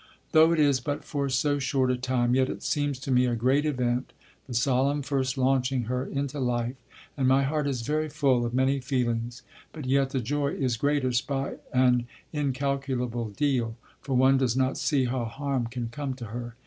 Though it is but for so short a time, yet it seems to me a great event, the solemn first launching her into life, and my heart is very full of many feelings, but yet the joy is greatest by an incalculable deal, for one does not see how harm can come to her.